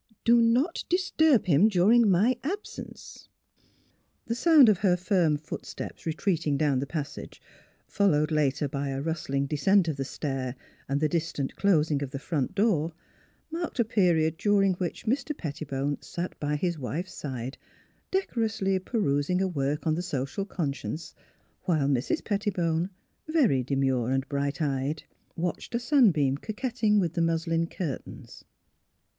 " Do not disturb him during my absence." The sound of her firm footsteps retreating down the passage, followed later by a rustling descent of the stair and the distant closing of the front door marked a period during which Mr. Pettibone sat by his wife's side decorously perus ing a work on the Social Conscience, while Mrs. Pettibone, very demure and bright eyed, watched a sunbeam coquetting with the muslin curtains.